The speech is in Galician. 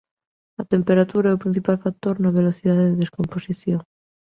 A temperatura é o principal factor na velocidade de descomposición.